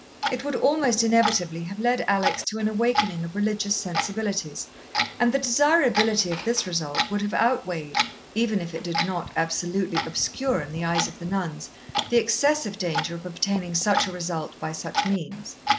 It would almost inevitably have led Alex to an awakening of religious sensibilities and the desirability of this result would have outweighed, even if it did not absolutely obscure in the eyes of the nuns, the excessive danger of obtaining such a result by such means.